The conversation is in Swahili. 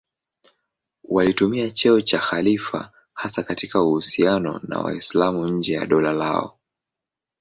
Walitumia cheo cha khalifa hasa katika uhusiano na Waislamu nje ya dola lao.